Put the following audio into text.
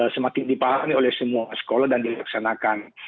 semakin dipahami oleh semua sekolah dan dilaksanakan